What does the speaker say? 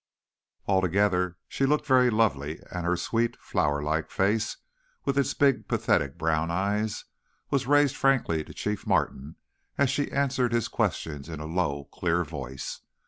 Altogether, she looked very lovely, and her sweet, flower like face, with its big, pathetic brown eyes, was raised frankly to Chief Martin as she answered his questions in a low, clear voice.